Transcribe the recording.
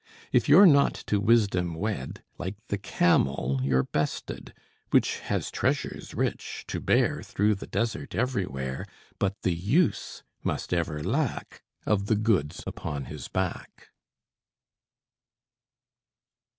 If you're not to wisdom wed, Like the camel you're bested, Which has treasures rich, to bear Through the desert everywhere, But the use must ever lack Of the goods upon his back.